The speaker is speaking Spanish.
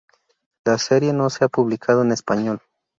La serie no se ha publicado en español.